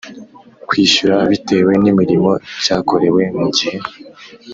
kwishyura bitewe n imirimo cyakorewe mu gihe